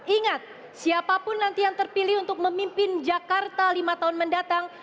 ingat siapapun nanti yang terpilih untuk memimpin jakarta lima tahun mendatang